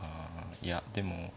いやでも。